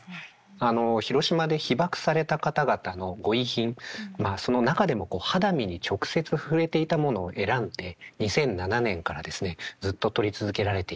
あの広島で被爆された方々のご遺品まあその中でも肌身に直接触れていたものを選んで２００７年からですねずっと撮り続けられています。